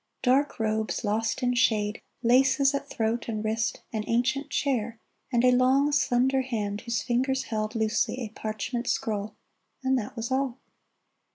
Dark robes lost in shade, Laces at throat and wrist, an ancient chair, . And a long, slender hand whose fingers held Loosely a parchment scroll — and that was all.